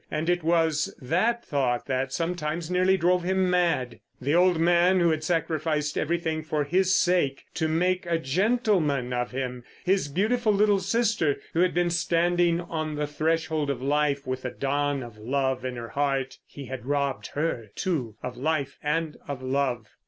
And it was that thought that sometimes nearly drove him mad. The old man who had sacrificed everything for his sake to make a gentleman of him; his beautiful little sister, who had been standing on the threshold of life with the dawn of love in her heart. He had robbed her, too, of life and of love.